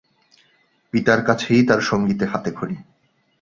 পিতার কাছেই তার সঙ্গীতে হাতেখড়ি।